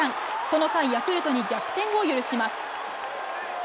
この回、ヤクルトに逆転を許します。